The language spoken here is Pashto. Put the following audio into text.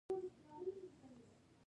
اداره باید د دې دفتر ساتنه وکړي.